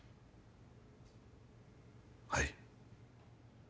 はい。